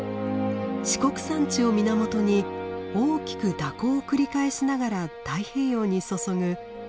四国山地を源に大きく蛇行を繰り返しながら太平洋に注ぐ四万十川です。